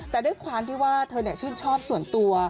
แต่ด้วยความที่ว่าเธอชื่นชอบส่วนตัว